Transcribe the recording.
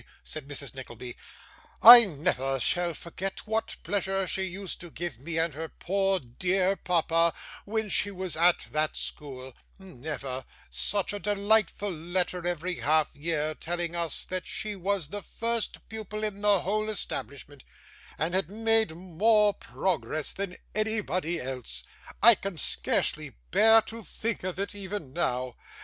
said Mrs Nickleby, 'I never shall forget what pleasure she used to give me and her poor dear papa, when she was at that school, never such a delightful letter every half year, telling us that she was the first pupil in the whole establishment, and had made more progress than anybody else! I can scarcely bear to think of it even now.